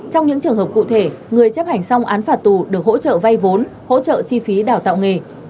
trong những trường hợp cụ thể người chấp hành xong án phạt tù được hỗ trợ vay vốn hỗ trợ chi phí đào tạo nghề